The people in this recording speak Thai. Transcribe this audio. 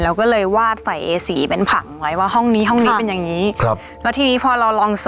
เราก็เลยวาดใส่เอสีเป็นผังไว้ว่าห้องนี้ห้องนี้เป็นอย่างงี้ครับแล้วทีนี้พอเราลอง